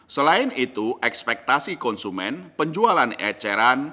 selain itu ekspektasi konsumen penjualan eceran